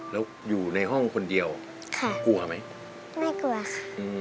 แล้วอยู่ในห้องคนเดียวค่ะกลัวไหมไม่กลัวค่ะ